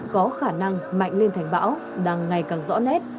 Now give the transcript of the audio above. có khả năng mạnh lên thành bão đang ngày càng rõ nét